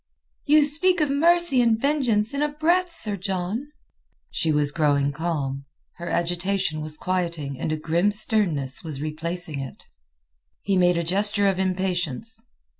"You speak of mercy and vengeance in a breath, Sir John." She was growing calm, her agitation was quieting and a grim sternness was replacing it. He made a gesture of impatience.